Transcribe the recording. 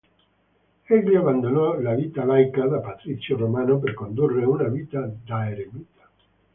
Egli abbandonò la vita laica da patrizio romano per condurre una vita da eremita.